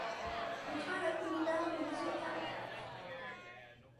In China it can be found in dessert habitat.